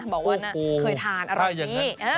บอกว่าเคยทานอร่อยนี้